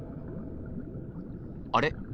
あれ？